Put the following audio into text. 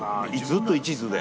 ずっと一途で。